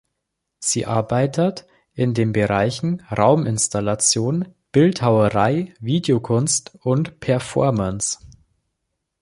Sie arbeitet in den Bereichen Rauminstallation, Bildhauerei, Videokunst und Performance.